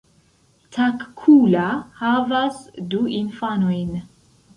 Takkula havas du infanojn.